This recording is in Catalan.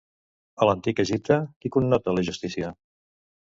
A l'antic Egipte, qui connota la justícia?